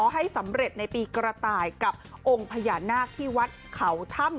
ให้สำเร็จในปีกระต่ายกับองค์พญานาคที่วัดเขาถ้ำ